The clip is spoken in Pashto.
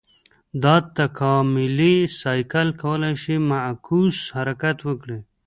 دا تکاملي سایکل کولای شي معکوس حرکت وکړي.